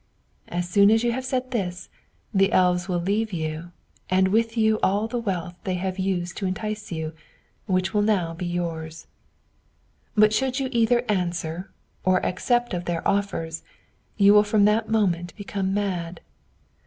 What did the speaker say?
As soon as you have said this, the elves will leave you, and with you all the wealth they have used to entice you, which will now be yours. But should you either answer, or accept of their offers, you will from that moment become mad.